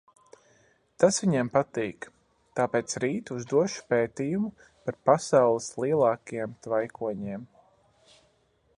Tas viņam patīk, tāpēc rīt uzdošu pētījumu par pasaules lielākajiem tvaikoņiem.